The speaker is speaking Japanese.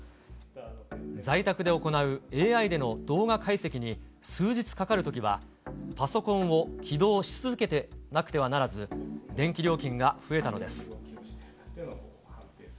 在宅で行うＡＩでの動画解析に数日かかるときは、パソコンを起動し続けてなくてはならず、電気料金が増えたのです。